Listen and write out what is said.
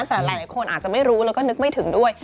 แต่หลายคนอาจจะไม่รู้แล้วก็นึกไม่ถึงด้วย